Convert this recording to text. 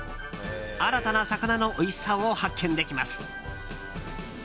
新たな魚のおいしさを発見できます。